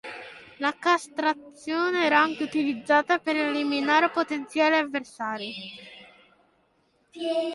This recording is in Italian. La castrazione era anche utilizzata per eliminare potenziali avversari.